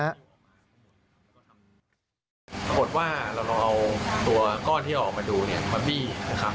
ปรากฏว่าเราเอาก้อนที่ออกมาดูมาบี้นะครับ